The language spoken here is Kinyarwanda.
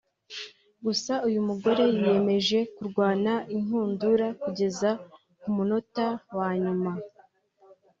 Gusa uyu mugore yiyemeje kurwana inkundura kugeza ku munota wa nyuma